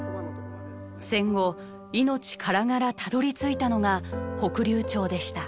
戦後命からがらたどり着いたのが北竜町でした。